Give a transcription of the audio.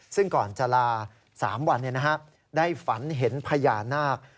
ซึ่งก่อนจะลา๓วันได้ฝันเห็นพญานาค